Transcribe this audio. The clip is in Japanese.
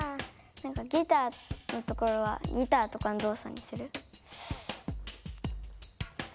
ギターのところはギターとかの動作にする？